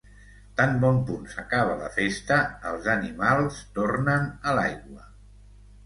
Tan bon punt s'acaba la festa, els animals es tornen a l'aigua.